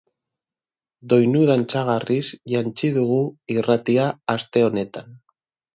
Doinu dantzagarriz jantzi dugu irratia aste honetan.